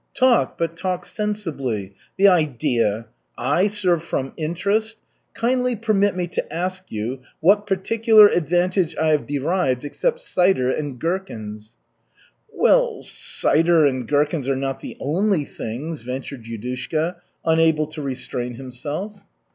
Talk, but talk sensibly. The idea! I serve from interest! Kindly permit me to ask you what particular advantage I have derived except cider and gherkins?" "Well, cider and gherkins are not the only things " ventured Yudushka, unable to restrain himself.